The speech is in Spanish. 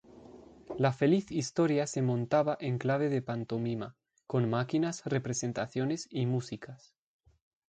La feliz historia se montaba en clave de pantomima, "con máquinas, representaciones y músicas".